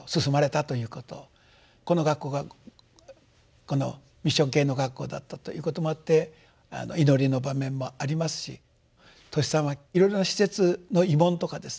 この学校がミッション系の学校だったということもあって祈りの場面もありますしトシさんはいろいろな施設の慰問とかですね